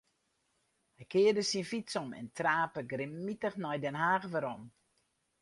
Hy kearde syn fyts om en trape grimmitich nei Den Haach werom.